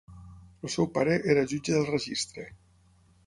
El seu pare era jutge del registre.